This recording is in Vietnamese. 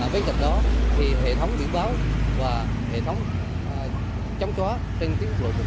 với tật đó hệ thống biển báo và hệ thống chống chóa trên tuyến quốc lộ một a